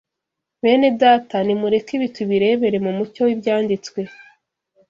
Benedata, nimureke ibi tubirebere mu mucyo w’Ibyanditswe